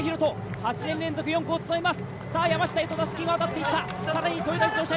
８年連続４区を務めます。